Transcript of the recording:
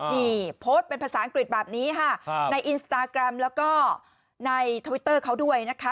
นี่โพสต์เป็นภาษาอังกฤษแบบนี้ค่ะในอินสตาแกรมแล้วก็ในทวิตเตอร์เขาด้วยนะคะ